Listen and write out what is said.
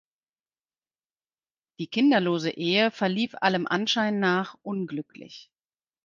Die kinderlose Ehe verlief allem Anschein nach unglücklich.